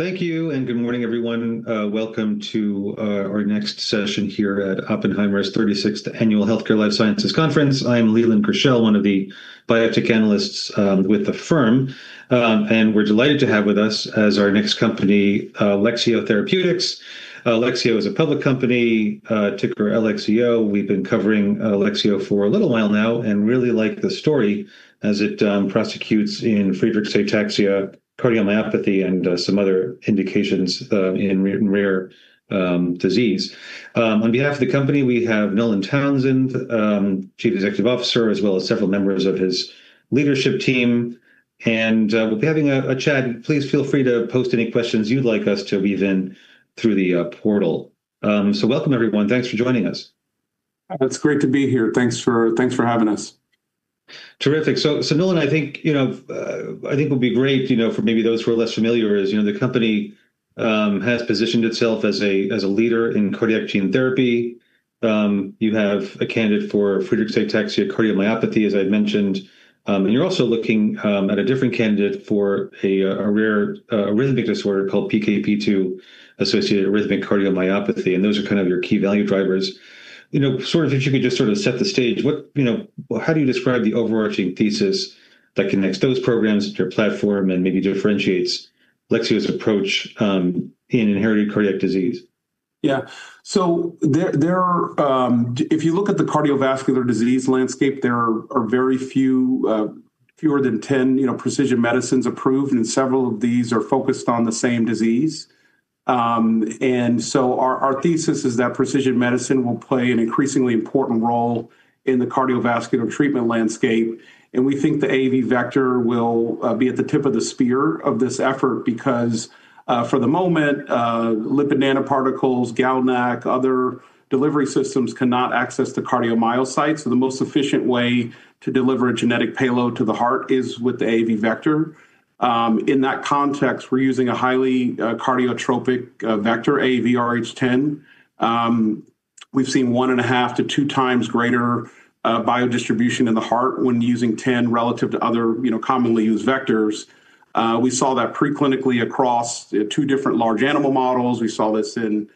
Thank you, and good morning, everyone. Welcome to our next session here at Oppenheimer's 36th Annual Healthcare Life Sciences Conference. I'm Leland Gershell, one of the biotech analysts with the firm. We're delighted to have with us as our next company, Lexeo Therapeutics. Lexeo is a public company, ticker LXIO. We've been covering Lexeo for a little while now and really like the story as it prosecutes in Friedreich's ataxia cardiomyopathy and some other indications in rare disease. On behalf of the company, we have Nolan Townsend, Chief Executive Officer, as well as several members of his leadership team. We'll be having a chat. Please feel free to post any questions you'd like us to weave in through the portal. Welcome, everyone. Thanks for joining us. It's great to be here. Thanks for having us. Terrific. Nolan, I think, you know, I think it would be great, you know, for maybe those who are less familiar is, you know, the company has positioned itself as a leader in cardiac gene therapy. You have a candidate for Friedreich's ataxia cardiomyopathy, as I've mentioned. You're also looking at a different candidate for a rare arrhythmic disorder called PKP2-associated arrhythmogenic cardiomyopathy. Those are kind of your key value drivers. You know, sort of if you could just sort of set the stage. You know, how do you describe the overarching thesis that connects those programs to your platform and maybe differentiates Lexeo's approach in inherited cardiac disease? Yeah. There are, if you look at the cardiovascular disease landscape, there are very few, fewer than 10, you know, precision medicines approved, and several of these are focused on the same disease. Our thesis is that precision medicine will play an increasingly important role in the cardiovascular treatment landscape. We think the AAV vector will be at the tip of the spear of this effort, because for the moment, lipid nanoparticles, GalNAc, other delivery systems cannot access the cardiomyocytes. The most efficient way to deliver a genetic payload to the heart is with the AAV vector. In that context, we're using a highly cardiotropic vector, AAVrh.10. We've seen one and a half to two times greater biodistribution in the heart when using 10 relative to other, you know, commonly used vectors. We saw that preclinically across two different large animal models. We saw this in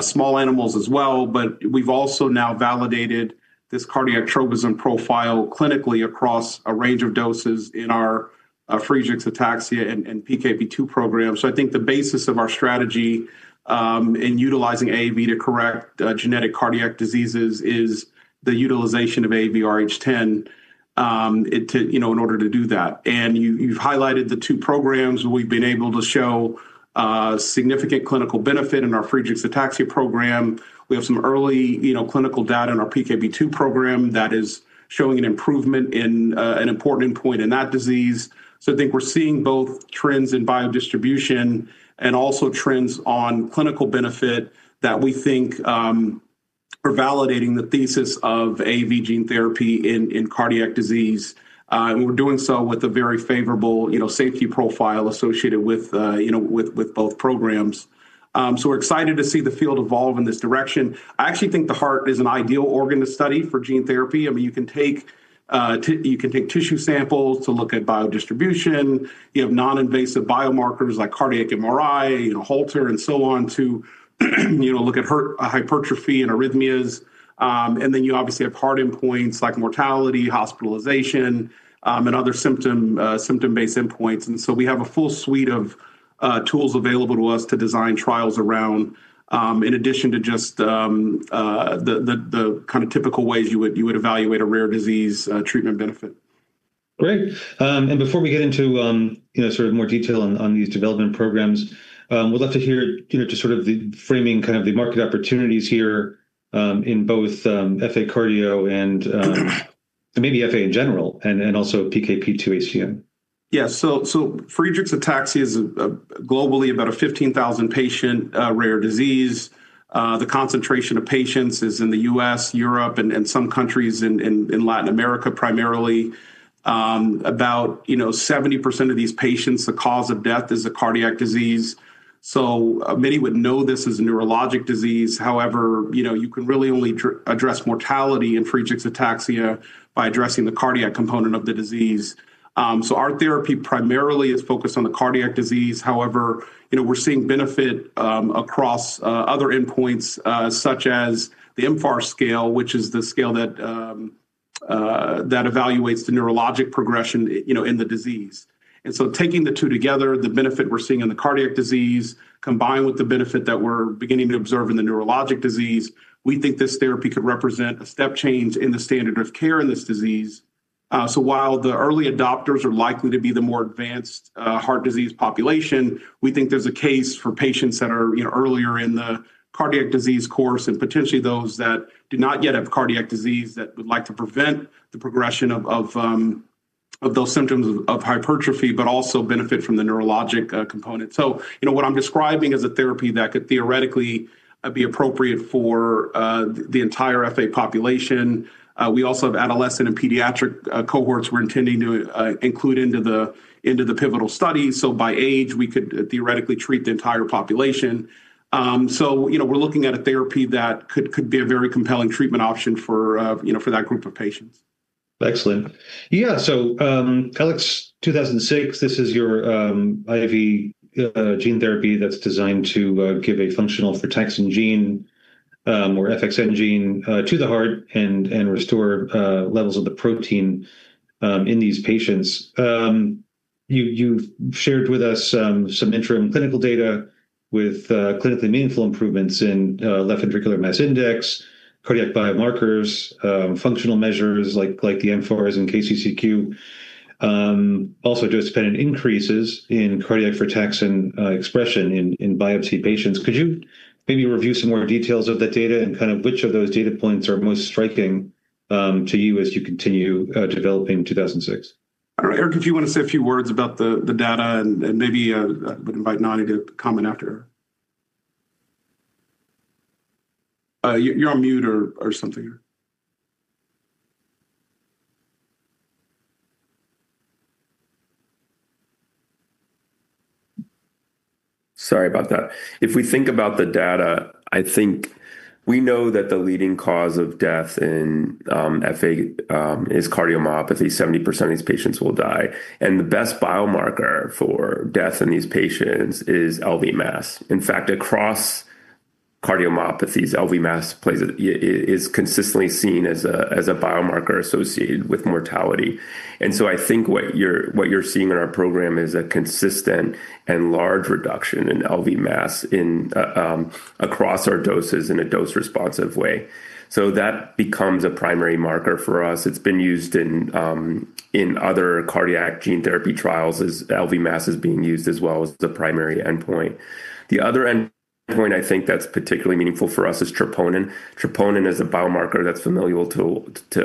small animals as well, but we've also now validated this cardiotropism profile clinically across a range of doses in our Friedreich's ataxia and PKP2 program. I think the basis of our strategy, in utilizing AAV to correct genetic cardiac diseases is the utilization of AAVrh.10, you know, in order to do that. You've highlighted the two programs. We've been able to show significant clinical benefit in our Friedreich's ataxia program. We have some early, you know, clinical data in our PKP2 program that is showing an improvement in an important endpoint in that disease. I think we're seeing both trends in biodistribution and also trends on clinical benefit that we think are validating the thesis of AAV gene therapy in cardiac disease. We're doing so with a very favorable, you know, safety profile associated with, you know, with both programs. We're excited to see the field evolve in this direction. I actually think the heart is an ideal organ to study for gene therapy. I mean, you can take tissue samples to look at biodistribution. You have non-invasive biomarkers like cardiac MRI, you know, Holter, and so on, to, you know, look at hypertrophy and arrhythmias. Then you obviously have hard endpoints like mortality, hospitalization, and other symptom-based endpoints. We have a full suite of tools available to us to design trials around, in addition to just the kind of typical ways you would evaluate a rare disease treatment benefit. Great. Before we get into, you know, sort of more detail on these development programs, would love to hear, you know, just sort of the framing kind of the market opportunities here, in both, FA cardio and, maybe FA in general, and also PKP2-ACM. Yeah. So Friedreich's ataxia is globally about a 15,000 patient rare disease. The concentration of patients is in the US, Europe, and some countries in Latin America, primarily. About, you know, 70% of these patients, the cause of death is a cardiac disease. Many would know this as a neurologic disease. However, you know, you can really only address mortality in Friedreich's ataxia by addressing the cardiac component of the disease. Our therapy primarily is focused on the cardiac disease. However, you know, we're seeing benefit across other endpoints, such as the mFARS scale, which is the scale that evaluates the neurologic progression, you know, in the disease. Taking the two together, the benefit we're seeing in the cardiac disease, combined with the benefit that we're beginning to observe in the neurologic disease, we think this therapy could represent a step change in the standard of care in this disease. While the early adopters are likely to be the more advanced heart disease population, we think there's a case for patients that are, you know, earlier in the cardiac disease course, and potentially those that do not yet have cardiac disease that would like to prevent the progression of those symptoms of hypertrophy, but also benefit from the neurologic component. You know, what I'm describing is a therapy that could theoretically be appropriate for the entire FA population. We also have adolescent and pediatric cohorts we're intending to include into the pivotal study. By age, we could theoretically treat the entire population. You know, we're looking at a therapy that could be a very compelling treatment option for, you know, for that group of patients. Excellent. LX2006, this is your IV gene therapy that's designed to give a functional frataxin gene or FXN gene to the heart and restore levels of the protein in these patients. You've shared with us some interim clinical data with clinically meaningful improvements in left ventricular mass index, cardiac biomarkers, functional measures like the mFARS and KCCQ. Also just been increases in cardiac frataxin expression in biopsy patients. Could you maybe review some more details of that data and kind of which of those data points are most striking to you as you continue developing 2006? Eric, if you want to say a few words about the data and maybe I would invite Nani to comment after. You're on mute or something. Sorry about that. If we think about the data, I think we know that the leading cause of death in FA is cardiomyopathy. 70% of these patients will die. The best biomarker for death in these patients is LV mass. In fact, across cardiomyopathies, LV mass is consistently seen as a biomarker associated with mortality. I think what you're seeing in our program is a consistent and large reduction in LV mass across our doses in a dose-responsive way. That becomes a primary marker for us. It's been used in other cardiac gene therapy trials as LV mass is being used as well as the primary endpoint. The other endpoint, I think that's particularly meaningful for us is troponin. Troponin is a biomarker that's familiar to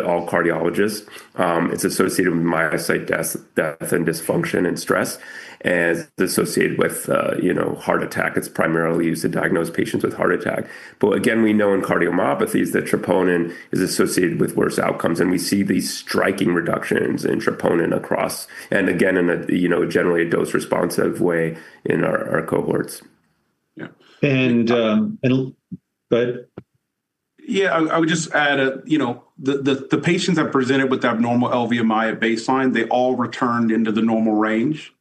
all cardiologists. It's associated with myocyte death, and dysfunction and stress, and it's associated with, you know, heart attack. It's primarily used to diagnose patients with heart attack. Again, we know in cardiomyopathies that troponin is associated with worse outcomes. We see these striking reductions in troponin across, and again, in a, you know, generally a dose-responsive way in our cohorts. Yeah. Go ahead. I would just add, you know, the patients that presented with abnormal LVMI at baseline, they all returned into the normal range.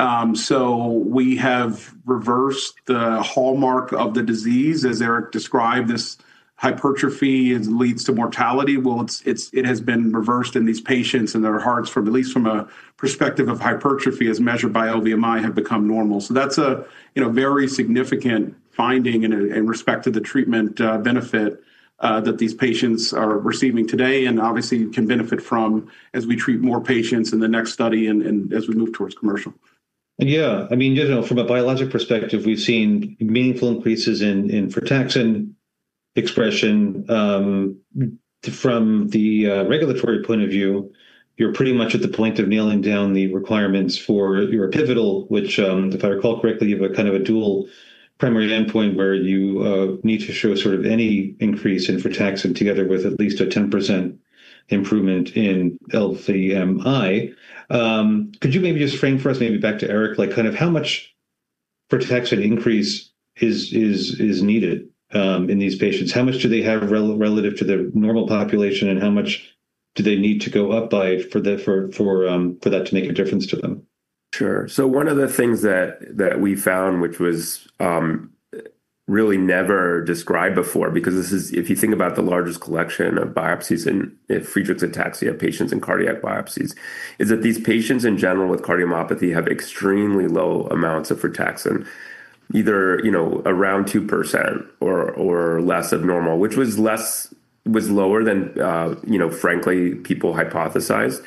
We have reversed the hallmark of the disease. As Eric described, this hypertrophy leads to mortality. it's been reversed in these patients, and their hearts, from at least from a perspective of hypertrophy, as measured by LVMI, have become normal. That's a, you know, very significant finding in respect to the treatment benefit that these patients are receiving today and obviously can benefit from as we treat more patients in the next study and as we move towards commercial. I mean, you know, from a biologic perspective, we've seen meaningful increases in frataxin expression. From the regulatory point of view, you're pretty much at the point of nailing down the requirements for your pivotal, which, if I recall correctly, you have a kind of a dual primary endpoint where you need to show sort of any increase in frataxin together with at least a 10% improvement in LVMI. Could you maybe just frame for us, maybe back to Eric, like kind of how much frataxin increase is needed in these patients? How much do they have relative to the normal population, and how much do they need to go up by for that to make a difference to them? Sure. One of the things that we found, which was really never described before, because If you think about the largest collection of biopsies in Friedreich's ataxia patients in cardiac biopsies, is that these patients in general with cardiomyopathy have extremely low amounts of frataxin, either, you know, around 2% or less of normal, which was lower than, you know, frankly, people hypothesized.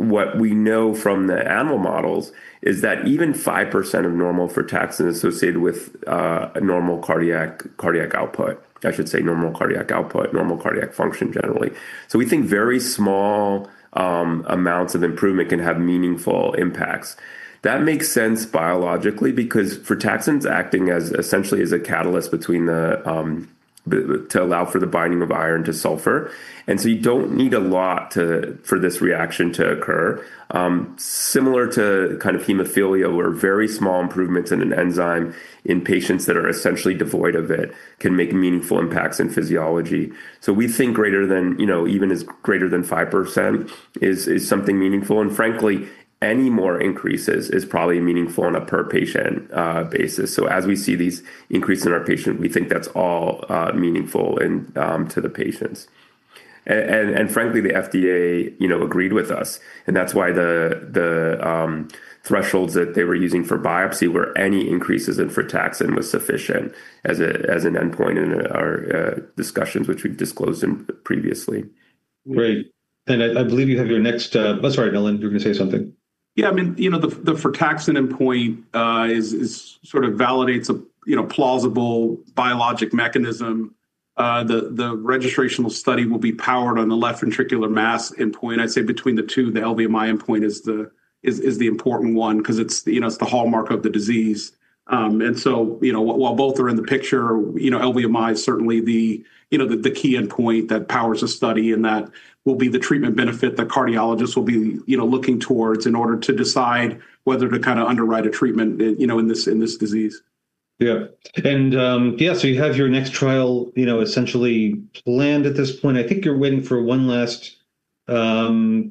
What we know from the animal models is that even 5% of normal frataxin associated with a normal cardiac output, I should say normal cardiac output, normal cardiac function generally. We think very small amounts of improvement can have meaningful impacts. That makes sense biologically, because frataxin's acting as essentially a catalyst between the, to allow for the binding of iron to sulfur. You don't need a lot for this reaction to occur. Similar to kind of hemophilia, where very small improvements in an enzyme in patients that are essentially devoid of it can make meaningful impacts in physiology. We think greater than, you know, even as greater than 5% is something meaningful, and frankly, any more increases is probably meaningful on a per patient basis. As we see these increases in our patient, we think that's all meaningful and to the patients. Frankly, the FDA, you know, agreed with us, and that's why the thresholds that they were using for biopsy were any increases in frataxin was sufficient as an endpoint in our discussions, which we've disclosed in previously. Great. I believe you have your next... I'm sorry, Nolan, you were going to say something. Yeah, I mean, you know, the frataxin end point is sort of validates, you know, plausible biologic mechanism. The registrational study will be powered on the left ventricular mass endpoint. I'd say between the two, the LVMI endpoint is the important one because it's, you know, it's the hallmark of the disease. You know, while both are in the picture, you know, LVMI is certainly the key endpoint that powers the study, and that will be the treatment benefit that cardiologists will be, you know, looking towards in order to decide whether to kind of underwrite a treatment, you know, in this disease. Yeah, and, yeah, so you have your next trial, you know, essentially planned at this point. I think you're waiting for one last, kind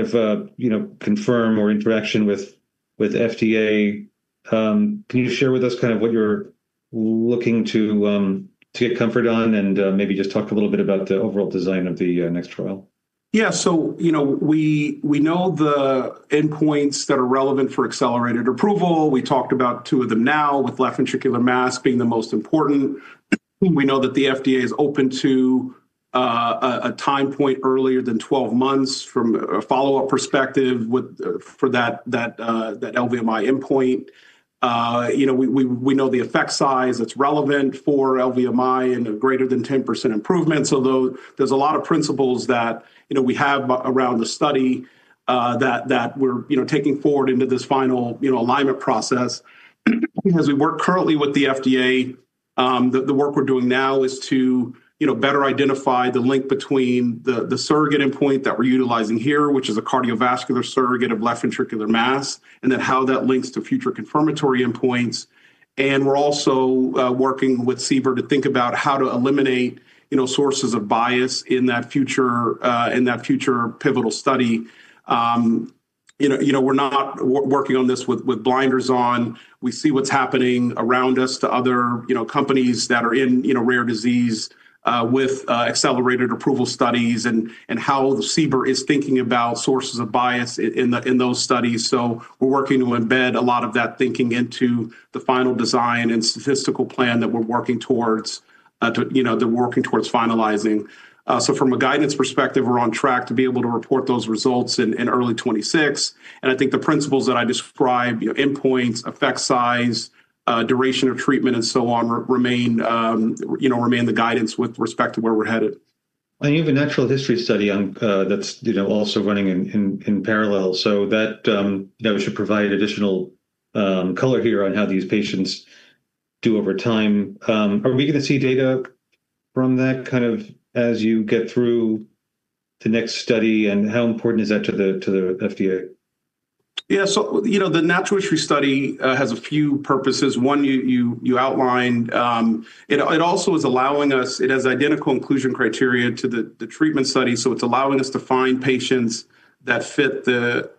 of a, you know, confirm or interaction with FDA. Can you share with us kind of what you're looking to get comfort on? Maybe just talk a little bit about the overall design of the next trial? Yeah. You know, we know the endpoints that are relevant for accelerated approval. We talked about two of them now, with left ventricular mass being the most important. We know that the FDA is open to a time point earlier than 12 months from a follow-up perspective with for that LVMI endpoint. You know, we know the effect size that's relevant for LVMI and a greater than 10% improvement. Though there's a lot of principles that, you know, we have around the study that we're, you know, taking forward into this final, you know, alignment process. As we work currently with the FDA, the work we're doing now is to, you know, better identify the link between the surrogate endpoint that we're utilizing here, which is a cardiovascular surrogate of left ventricular mass, and then how that links to future confirmatory endpoints. We're also working with CBER to think about how to eliminate, you know, sources of bias in that future pivotal study. You know, we're not working on this with blinders on. We see what's happening around us to other, you know, companies that are in, you know, rare disease, with accelerated approval studies and how CBER is thinking about sources of bias in those studies. We're working to embed a lot of that thinking into the final design and statistical plan that we're working towards to... You know, they're working towards finalizing. From a guidance perspective, we're on track to be able to report those results in early 2026. I think the principles that I described, you know, endpoints, effect size, duration of treatment, and so on, remain, you know, remain the guidance with respect to where we're headed. You have a natural history study on that's, you know, also running in parallel. That should provide additional color here on how these patients do over time. Are we going to see data from that, kind of, as you get through the next study? How important is that to the FDA? Yeah. You know, the natural history study has a few purposes. One, you outlined. It has identical inclusion criteria to the treatment study, so it's allowing us to find patients that fit the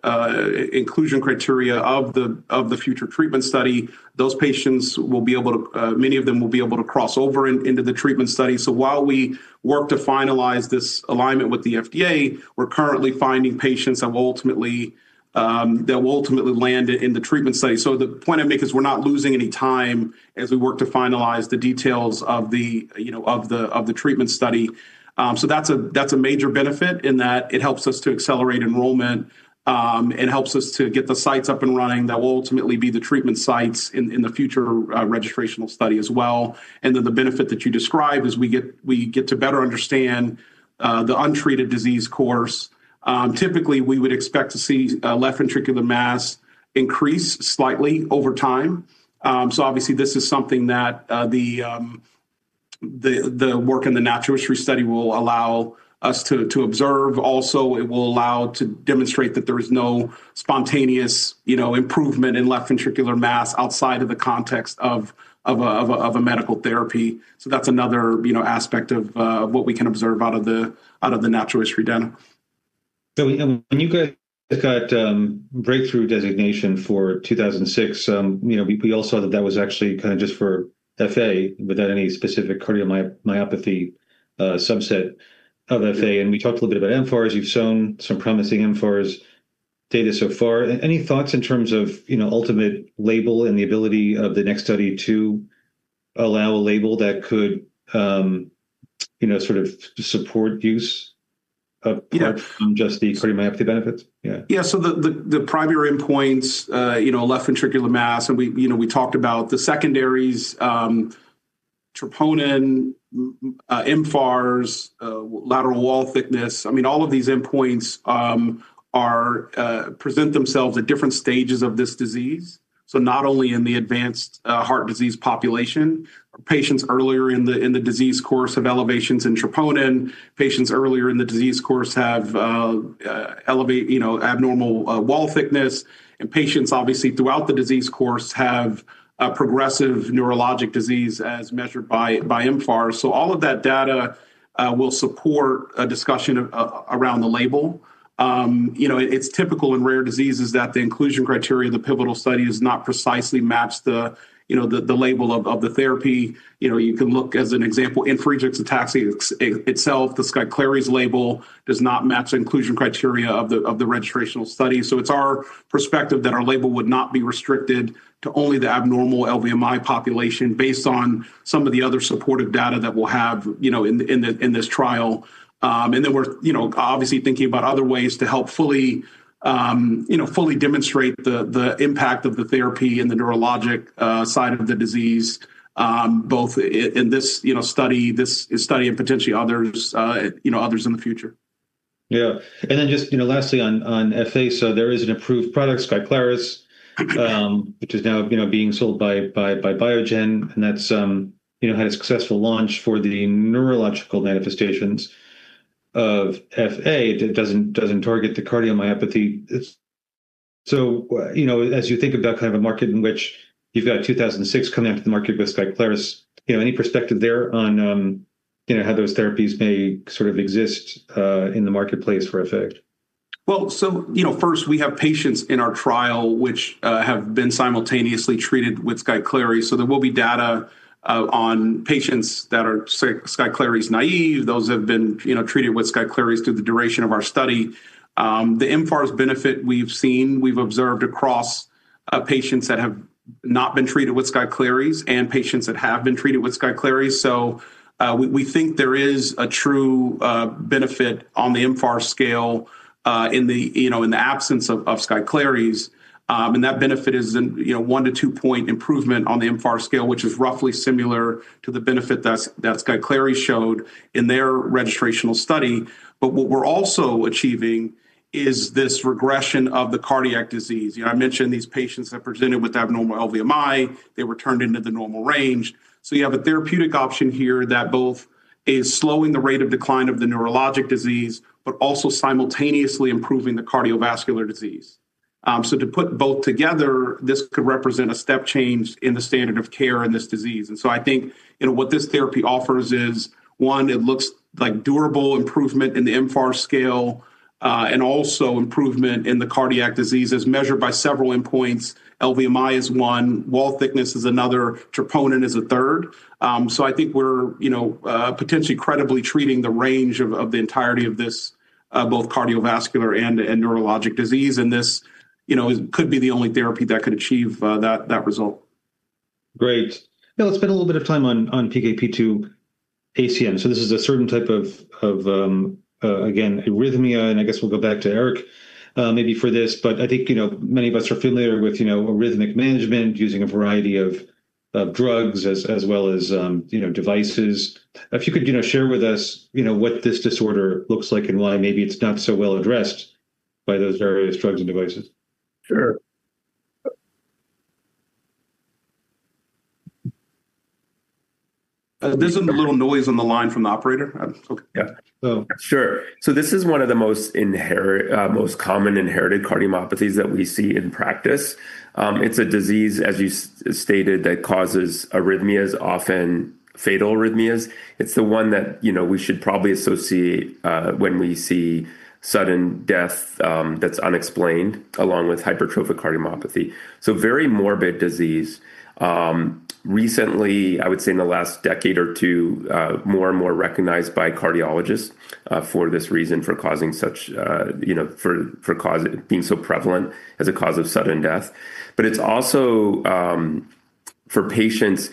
inclusion criteria of the future treatment study. Those patients will be able to, many of them will be able to cross over into the treatment study. While we work to finalize this alignment with the FDA, we're currently finding patients that will ultimately land in the treatment study. The point I'm making is we're not losing any time as we work to finalize the details of the, you know, of the treatment study. That's a, that's a major benefit in that it helps us to accelerate enrollment, it helps us to get the sites up and running. That will ultimately be the treatment sites in the future, registrational study as well. Then the benefit that you describe is we get to better understand the untreated disease course. Typically, we would expect to see left ventricular mass increase slightly over time. Obviously, this is something that the work in the natural history study will allow us to observe. Also, it will allow to demonstrate that there is no spontaneous, you know, improvement in left ventricular mass outside of the context of a medical therapy. That's another, you know, aspect of what we can observe out of the, out of the natural history data. When you guys got breakthrough designation for 2006, you know, we all saw that that was actually kind of just for FA without any specific cardiomyopathy, subset of FA. We talked a little bit about mFARS, as you've shown some promising mFARS data so far. Any thoughts in terms of, you know, ultimate label and the ability of the next study to allow a label that could, you know, sort of support use apart... Yeah from just the cardiomyopathy benefits? Yeah. The primary endpoints, you know, left ventricular mass, and we, you know, we talked about the secondaries, troponin, mFARS, lateral wall thickness. I mean, all of these endpoints present themselves at different stages of this disease. Not only in the advanced heart disease population, patients earlier in the disease course have elevations in troponin. Patients earlier in the disease course have, you know, abnormal wall thickness. Patients, obviously, throughout the disease course, have a progressive neurologic disease as measured by mFARS. All of that data will support a discussion around the label. You know, it's typical in rare diseases that the inclusion criteria in the pivotal study does not precisely match the, you know, the label of the therapy. You know, you can look as an example in Friedreich's ataxia itself, the SKYCLARYS label does not match the inclusion criteria of the, of the registrational study. It's our perspective that our label would not be restricted to only the abnormal LVMI population, based on some of the other supportive data that we'll have, you know, in the, in the, in this trial. Then we're, you know, obviously thinking about other ways to help fully, you know, fully demonstrate the impact of the therapy and the neurologic side of the disease, both in this, you know, study, this study and potentially others, you know, others in the future. Just, you know, lastly on FA. There is an approved product, SKYCLARYS, which is now, you know, being sold by Biogen, and that's, you know, had a successful launch for the neurological manifestations of FA that doesn't target the cardiomyopathy. As you think about kind of a market in which you've got LX2006 coming up to the market with SKYCLARYS, you know, any perspective there on, you know, how those therapies may sort of exist in the marketplace for FA? You know, first, we have patients in our trial which have been simultaneously treated with SKYCLARYS. There will be data on patients that are SKYCLARYS naive, those have been, you know, treated with SKYCLARYS through the duration of our study. The mFARS benefit we've seen, we've observed across patients that have not been treated with SKYCLARYS and patients that have been treated with SKYCLARYS. We, we think there is a true benefit on the mFARS scale in the, you know, in the absence of SKYCLARYS. And that benefit is in, you know, one to two point improvement on the mFARS scale, which is roughly similar to the benefit that SKYCLARYS showed in their registrational study. What we're also achieving is this regression of the cardiac disease. You know, I mentioned these patients have presented with abnormal LVMI. They were turned into the normal range. You have a therapeutic option here that both is slowing the rate of decline of the neurologic disease, but also simultaneously improving the cardiovascular disease. To put both together, this could represent a step change in the standard of care in this disease. I think, you know, what this therapy offers is, one, it looks like durable improvement in the mFARS scale, and also improvement in the cardiac disease as measured by several endpoints. LVMI is one, wall thickness is another, troponin is a third. I think we're, you know, potentially credibly treating the range of the entirety of this both cardiovascular and neurologic disease. This, you know, could be the only therapy that could achieve that result. Great. Now, let's spend a little bit of time on PKP2-ACM. This is a certain type of, again, arrhythmia, and I guess we'll go back to Eric maybe for this. I think, you know, many of us are familiar with, you know, arrhythmic management, using a variety of drugs as well as, you know, devices. If you could, you know, share with us, you know, what this disorder looks like and why maybe it's not so well addressed by those various drugs and devices. Sure. There's a little noise on the line from the operator. Okay. Yeah. So- Sure. This is one of the most common inherited cardiomyopathies that we see in practice. It's a disease, as you stated, that causes arrhythmias, often fatal arrhythmias. It's the one that, you know, we should probably associate when we see sudden death that's unexplained, along with hypertrophic cardiomyopathy, so very morbid disease. Recently, I would say in the last 1 or 2 decades, more and more recognized by cardiologists for this reason, for causing such, you know, for being so prevalent as a cause of sudden death. It's also for patients,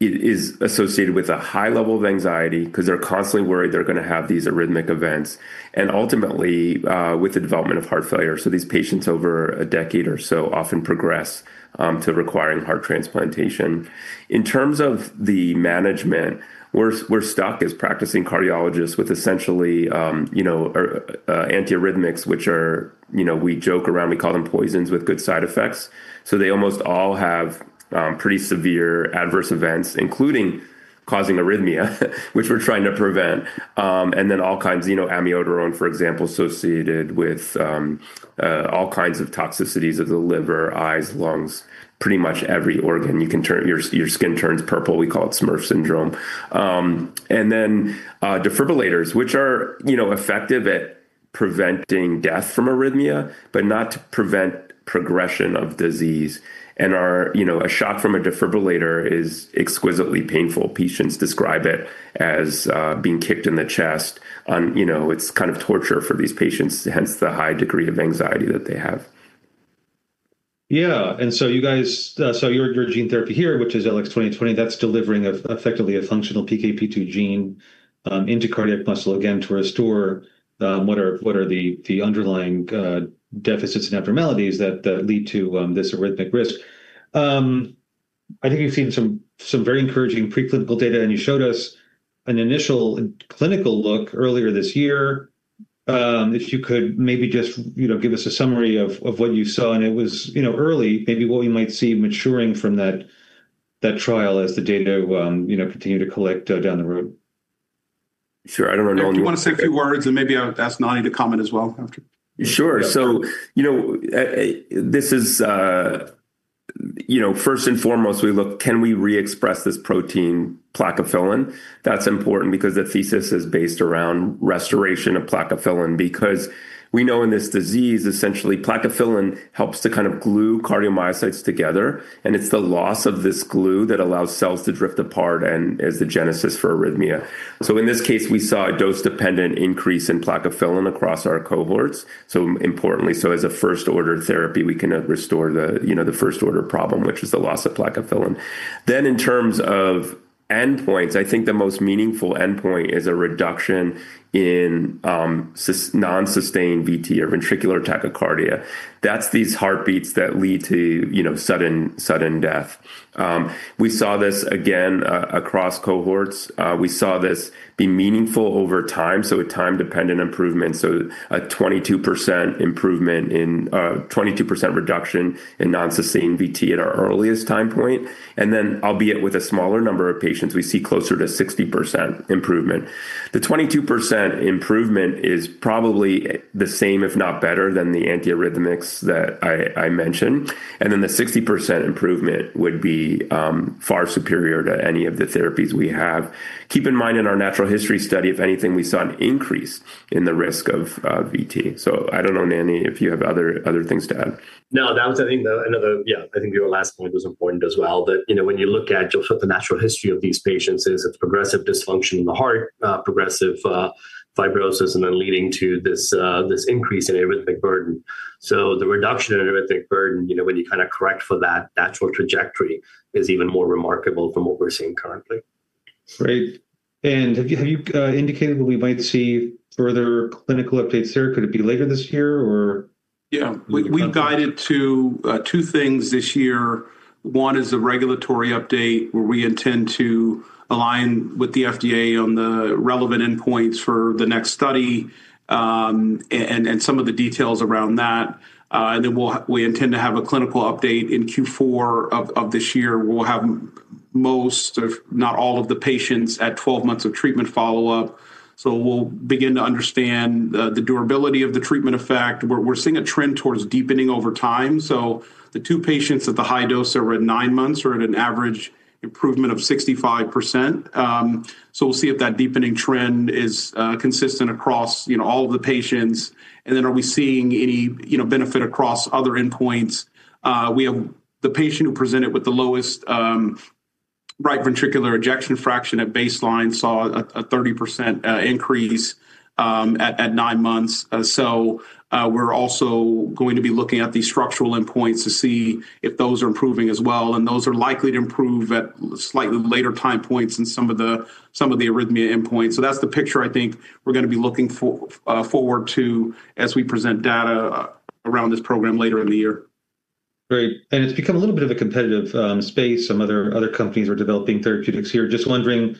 it is associated with a high level of anxiety because they're constantly worried they're gonna have these arrhythmic events and ultimately with the development of heart failure. These patients, over a decade or so, often progress to requiring heart transplantation. In terms of the management, we're stuck as practicing cardiologists with essentially, you know, antiarrhythmics, which are, you know, we joke around, we call them poisons with good side effects. They almost all have pretty severe adverse events, including causing arrhythmia, which we're trying to prevent. All kinds, you know, amiodarone, for example, associated with all kinds of toxicities of the liver, eyes, lungs, pretty much every organ. Your skin turns purple. We call it Smurf syndrome. Defibrillators, which are, you know, effective at preventing death from arrhythmia, but not to prevent progression of disease. You know, a shock from a defibrillator is exquisitely painful. Patients describe it as being kicked in the chest. You know, it's kind of torture for these patients, hence the high degree of anxiety that they have. You guys, so your gene therapy here, which is LX2020, that's delivering effectively a functional PKP2 gene into cardiac muscle, again, to restore what are the underlying deficits and abnormalities that lead to this arrhythmic risk. I think we've seen some very encouraging preclinical data, and you showed us an initial clinical look earlier this year. If you could maybe just, you know, give us a summary of what you saw, and it was, you know, early, maybe what we might see maturing from that trial as the data, you know, continue to collect down the road. Sure. I don't know- Do you want to say a few words, and maybe I'll ask Nani to comment as well after? Sure. You know, this is, you know, first and foremost, we look, can we reexpress this protein plakophilin-2? That's important because the thesis is based around restoration of plakophilin-2, because we know in this disease, essentially, plakophilin-2 helps to kind of glue cardiomyocytes together, and it's the loss of this glue that allows cells to drift apart and is the genesis for arrhythmia. In this case, we saw a dose-dependent increase in plakophilin-2 across our cohorts. Importantly, so as a first-order therapy, we can restore the, you know, the first-order problem, which is the loss of plakophilin-2. In terms of endpoints, I think the most meaningful endpoint is a reduction in nonsustained VT or ventricular tachycardia. That's these heartbeats that lead to, you know, sudden death. We saw this again across cohorts. We saw this be meaningful over time, so a time-dependent improvement, so a 22% improvement in 22% reduction in nonsustained VT at our earliest time point. Albeit with a smaller number of patients, we see closer to 60% improvement. The 22% improvement is probably the same, if not better, than the antiarrhythmics that I mentioned. The 60% improvement would be far superior to any of the therapies we have. Keep in mind, in our natural history study, if anything, we saw an increase in the risk of VT. I don't know, Nani, if you have other things to add. No, that was, I think. Yeah, I think your last point was important as well, that, you know, when you look at just what the natural history of these patients is, it's progressive dysfunction in the heart, progressive fibrosis, and then leading to this increase in arrhythmic burden. The reduction in arrhythmic burden, you know, when you kind of correct for that natural trajectory, is even more remarkable from what we're seeing currently. Great. Have you indicated what we might see further clinical updates there? Could it be later this year, or? We've guided to two things this year. One is the regulatory update, where we intend to align with the FDA on the relevant endpoints for the next study, and some of the details around that. We intend to have a clinical update in Q4 of this year. We'll have most, if not all, of the patients at 12 months of treatment follow-up, so we'll begin to understand the durability of the treatment effect. We're seeing a trend towards deepening over time. The two patients at the high dose are at 9 months, are at an average improvement of 65%. We'll see if that deepening trend is consistent across, you know, all of the patients, are we seeing any, you know, benefit across other endpoints. We have the patient who presented with the lowest, right ventricular ejection fraction at baseline, saw a 30% increase at 9 months. We're also going to be looking at the structural endpoints to see if those are improving as well, and those are likely to improve at slightly later time points in some of the arrhythmia endpoints. That's the picture I think we're gonna be looking forward to, as we present data around this program later in the year. Great. It's become a little bit of a competitive space. Some other companies are developing therapeutics here. Just wondering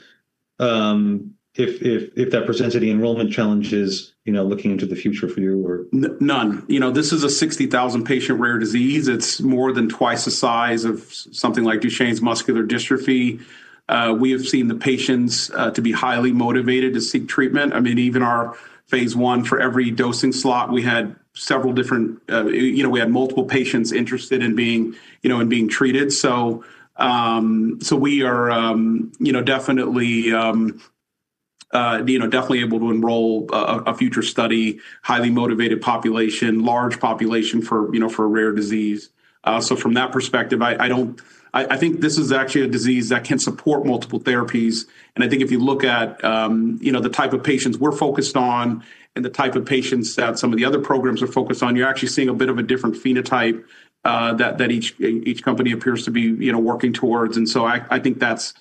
if that presents any enrollment challenges, you know, looking into the future for you or- None. You know, this is a 60,000 patient rare disease. It's more than twice the size of something like Duchenne muscular dystrophy. We have seen the patients to be highly motivated to seek treatment. I mean, even our phase 1, for every dosing slot, we had several different, you know, we had multiple patients interested in being, you know, in being treated. We are, you know, definitely, you know, definitely able to enroll a future study, highly motivated population, large population for, you know, for a rare disease. From that perspective, I don't... I think this is actually a disease that can support multiple therapies, and I think if you look at, you know, the type of patients we're focused on and the type of patients that some of the other programs are focused on, you're actually seeing a bit of a different phenotype that each company appears to be, you know, working towards. I think that's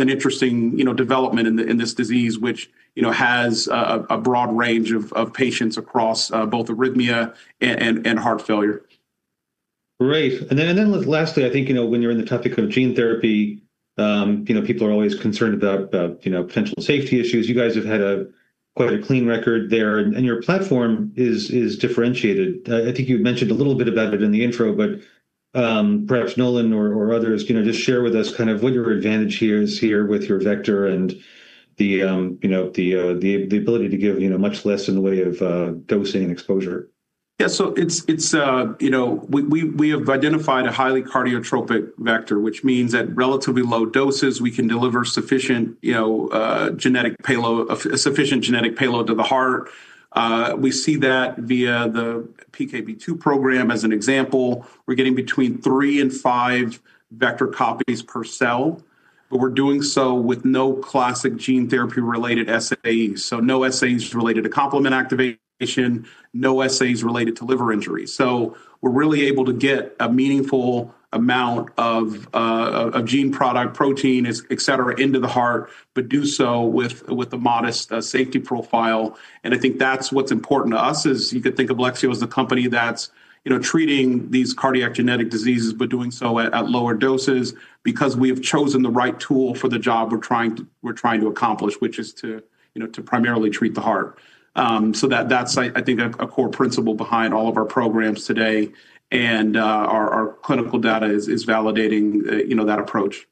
an interesting, you know, development in this disease, which, you know, has a broad range of patients across both arrhythmia and heart failure. Great. Then, lastly, I think, you know, when you're in the topic of gene therapy, you know, people are always concerned about the, you know, potential safety issues. You guys have had a quite a clean record there, and your platform is differentiated. I think you've mentioned a little bit about it in the intro, but, perhaps Nolan or others, you know, just share with us kind of what your advantage here is here with your vector and the, you know, the ability to give, you know, much less in the way of dosing and exposure. Yeah. It's, you know, we have identified a highly cardiotropic vector, which means at relatively low doses, we can deliver sufficient, you know, a sufficient genetic payload to the heart. We see that via the PKP2 program as an example. We're getting between 3 and 5 vector copies per cell, but we're doing so with no classic gene therapy-related assays. No assays related to complement activation, no assays related to liver injury. We're really able to get a meaningful amount of gene product, protein, etc., into the heart, but do so with a modest safety profile. I think that's what's important to us, is you could think of Lexeo as a company that's, you know, treating these cardiac genetic diseases, but doing so at lower doses because we have chosen the right tool for the job we're trying to accomplish, which is to, you know, to primarily treat the heart. So that's, I think, a core principle behind all of our programs today, and our clinical data is validating, you know, that approach.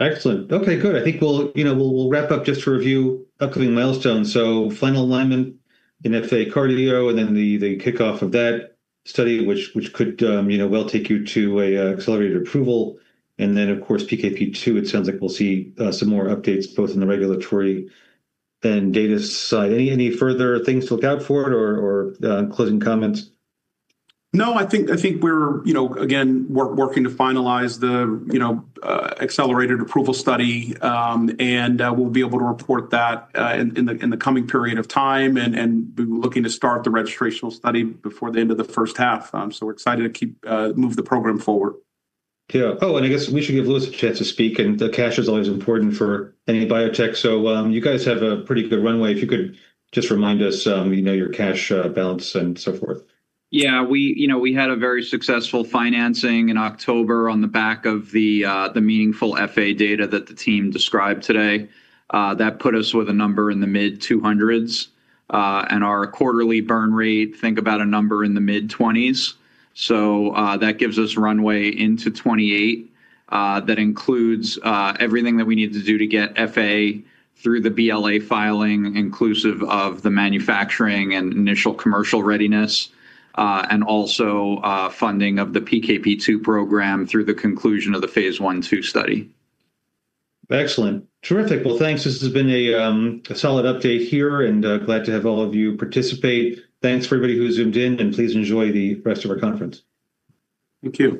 Excellent. Okay, good. I think we'll, you know, we'll wrap up just to review upcoming milestones. Final alignment in FA cardio, and then the kickoff of that study, which could, you know, well, take you to a accelerated approval. Of course, PKP2, it sounds like we'll see some more updates, both in the regulatory and data side. Any further things to look out for or closing comments? No, I think we're, you know, again, we're working to finalize the, you know, accelerated approval study, and we'll be able to report that in the coming period of time, and we're looking to start the registrational study before the end of the first half. We're excited to keep move the program forward. Yeah. I guess we should give Louis a chance to speak, and the cash is always important for any biotech. You guys have a pretty good runway. If you could just remind us, you know, your cash balance and so forth. We, you know, we had a very successful financing in October on the back of the meaningful FA data that the team described today. That put us with a number in the mid $200s, and our quarterly burn rate, think about a number in the mid $20s. That gives us runway into 2028. That includes everything that we need to do to get FA through the BLA filing, inclusive of the manufacturing and initial commercial readiness, and also funding of the PKP2 program through the conclusion of the phase 1/2 study. Excellent. Terrific. Well, thanks. This has been a solid update here. Glad to have all of you participate. Thanks to everybody who zoomed in. Please enjoy the rest of our conference. Thank you.